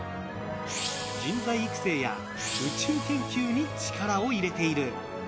人材育成や宇宙研究に力を入れている。